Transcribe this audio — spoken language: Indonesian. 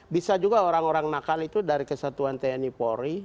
bisa juga orang orang nakal itu dari kesatuan tni polri